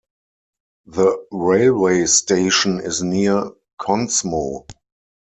The railway station is near Konsmo.